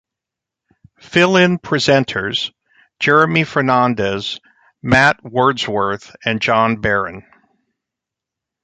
Fill-in presenters: Jeremy Fernandez, Matt Wordsworth, and John Barron.